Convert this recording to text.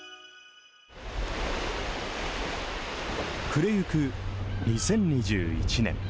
暮れゆく２０２１年。